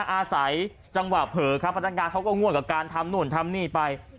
อาศัยจังหวะเผลอครับพนักงานเขาก็ง่วนกับการทำนู่นทำนี่ไป